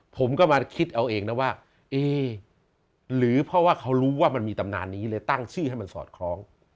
ผมก็มาคิดเอาเองนะว่าเอ๊หรือเพราะว่าเขารู้ว่ามันมีตำนานนี้เลยตั้งชื่อให้มันสอดคล้อง